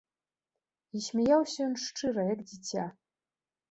І смяяўся ён шчыра, як дзіця.